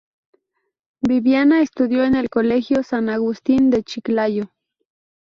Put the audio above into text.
Viviana estudió en el Colegio San Agustín de Chiclayo.